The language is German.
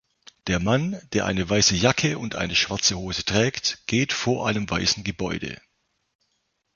Der Mann, der eine weiße Jacke und eine schwarze Hose trägt, geht vor einem weißen Gebäude.